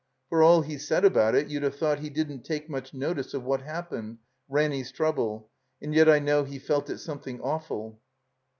For all he said about it you'd have thought he didn't take much notice of what happened — ^Ranny's trouble — and yet I know he felt it something awful.